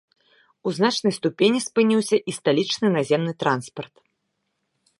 У значнай ступені спыніўся і сталічны наземны транспарт.